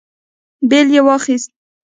بېل يې واخيست.